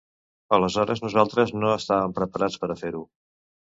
Aleshores nosaltres no estàvem preparats per a fer-ho.